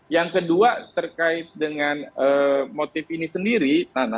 yang kedua terkait dengan motif ini sendiri nana